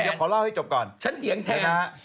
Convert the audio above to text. เดี๋ยวขอเล่าให้จบก่อนนะครับฉันเปียงแทน